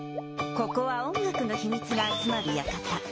ここは音楽のひみつがあつまるやかた。